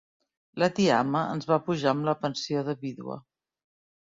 La tiama ens va pujar amb la pensió de vídua.